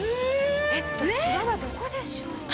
えっとしわはどこでしょう？